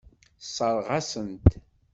Tessṛeɣ-as-tent.